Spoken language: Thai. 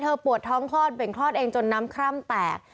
ปวดท้องคลอดเบ่งคลอดเองจนน้ำคร่ำแตก